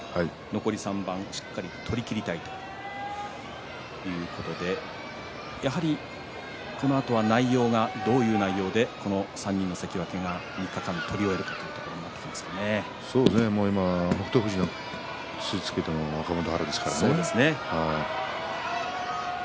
残り３番、しっかり取りきりたいということで、やはりこのあとは内容がどういう内容で３人の関脇が３日間取り終えたということに北勝富士に土をつけたのは若元春ですからね。